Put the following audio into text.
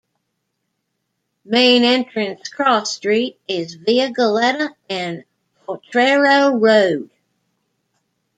Main Entrance cross street is Via Goleta and Potrero Road.